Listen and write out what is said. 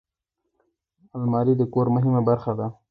الماري د کور مهمه برخه ده